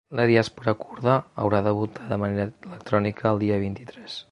La diàspora kurda haurà de votar de manera electrònica el dia vint-i-tres.